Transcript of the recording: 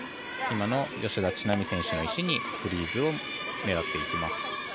今の吉田知那美選手の石にフリーズを狙っていきます。